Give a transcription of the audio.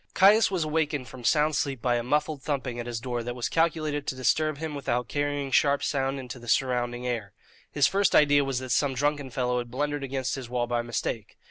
Caius was awakened from sound sleep by a muffled thumping at his door that was calculated to disturb him without carrying sharp sound into the surrounding air. His first idea was that some drunken fellow had blundered against his wall by mistake.